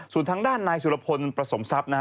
ส่วนทางด้านนายสุรพลประสมทรัพย์นะฮะ